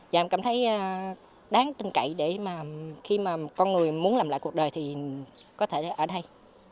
và em cảm thấy đáng tin cậy để mà khi mà con người muốn làm lại cuộc đời thì có thể ở đây